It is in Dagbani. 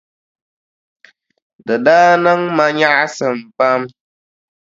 Di daa niŋ ma nyaɣisim pam.